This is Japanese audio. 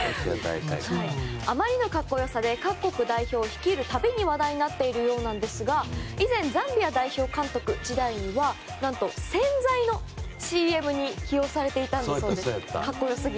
あまりの格好良さで各国代表を率いる度に話題になっているようなんですが以前、ザンビア代表監督時代には何と洗剤のＣＭに起用されていたそうです。